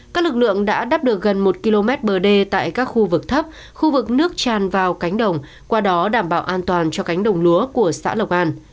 các lực lượng đã đắp được gần một km bờ đê tại các khu vực thấp khu vực nước tràn vào cánh đồng qua đó đảm bảo an toàn cho cánh đồng lúa của xã lộc an